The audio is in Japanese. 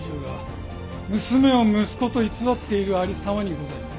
娘を息子と偽っているありさまにございます。